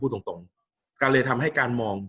กับการสตรีมเมอร์หรือการทำอะไรอย่างเงี้ย